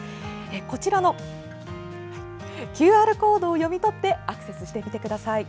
こちらのＱＲコードを読み取ってアクセスしてみてください。